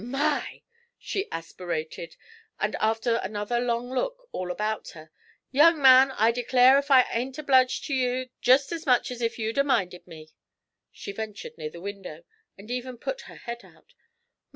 'My!' she aspirated; and after another long look all about her, 'Young man, I declare if I ain't obleged to ye jest as much as if you'd 'a' minded me.' She ventured near the window, and even put her head out.